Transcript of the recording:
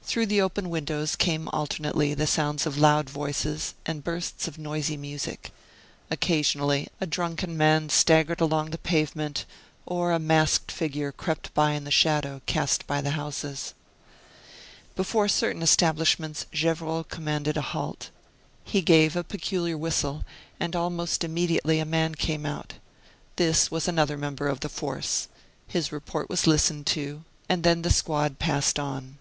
Through the open windows came alternately the sounds of loud voices and bursts of noisy music. Occasionally, a drunken man staggered along the pavement, or a masked figure crept by in the shadow cast by the houses. Before certain establishments Gevrol commanded a halt. He gave a peculiar whistle, and almost immediately a man came out. This was another member of the force. His report was listened to, and then the squad passed on.